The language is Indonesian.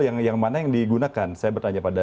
yang mana yang digunakan saya bertanya pak didi